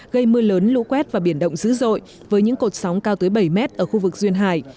gây mưa lớn lũ quét và biển động dữ dội với những cột sóng cao tới bảy mét ở khu vực duyên hải